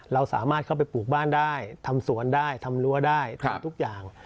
เราสามารถเข้าไปปลูกบ้านได้ทำสวนได้ทำรั้วได้ทำทุกอย่าง